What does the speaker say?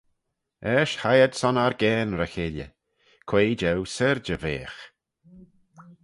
Eisht hie ad son argane ry-cheilley, quoi jeu syrjey veagh.